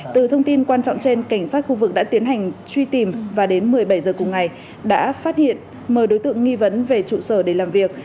từ thông tin quan trọng trên cảnh sát khu vực đã tiến hành truy tìm và đến một mươi bảy h cùng ngày đã phát hiện mời đối tượng nghi vấn về trụ sở để làm việc